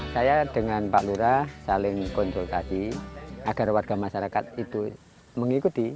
saya dengan pak lurah saling konsultasi agar warga masyarakat itu mengikuti